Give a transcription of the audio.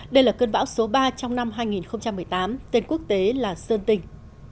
đây là cơn bão số ba trong năm hai nghìn một mươi tám tên quốc tế là sơn tình